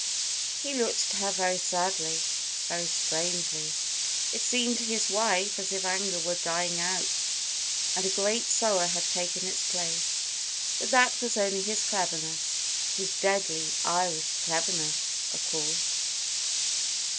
He looked at her very sadly, very strangely, it seemed to his wife, as if anger were dying out, and a great sorrow had taken its place. But that was only his cleverness his deadly, Irish cleverness, of course!